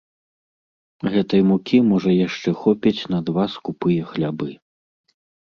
Гэтай мукі можа яшчэ хопіць на два скупыя хлябы.